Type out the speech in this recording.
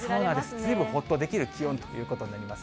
ずいぶんほっとできる気温ということになります。